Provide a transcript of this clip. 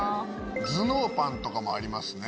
頭脳パンとかもありますね。